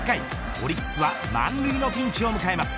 オリックスは満塁のピンチを迎えます。